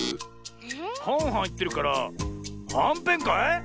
「はんはん」いってるからはんぺんかい？